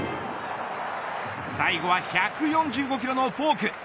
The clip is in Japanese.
最後は１４５キロのフォーク。